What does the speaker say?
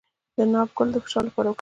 د ناک ګل د فشار لپاره وکاروئ